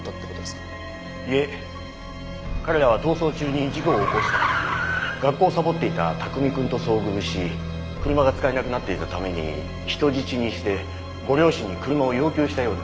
いえ彼らは逃走中に事故を起こした時学校をサボっていた卓海くんと遭遇し車が使えなくなっていたために人質にしてご両親に車を要求したようです。